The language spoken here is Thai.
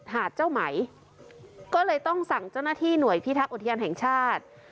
หาดเจ้าไหมก็เลยต้องสั่งเจ้าหน้าที่หน่วยพิทักษ์อุทยานแห่งชาติ